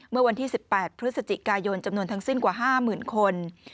เมื่อวันที่๑๘พฤศจิกายนจำนวนทั้งสิ้นกว่า๕๐๐๐คน